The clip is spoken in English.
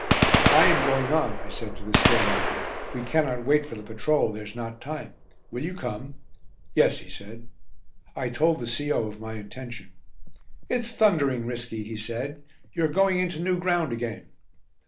"I am going on," I said to the "still" man, "we cannot wait for the patrol, there's not time. Will you come?" "Yes," he said. I told the C.O. of my intention. "It's thundering risky," he said. "You're going into new ground again."